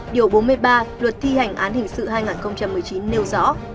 điều bốn mươi ba luật thi hành án hình sự hai nghìn một mươi chín nêu rõ